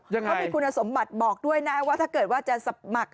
เขามีคุณสมบัติบอกด้วยนะว่าถ้าเกิดว่าจะสมัคร